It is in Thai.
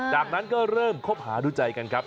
จากนั้นก็เริ่มคบหาดูใจกันครับ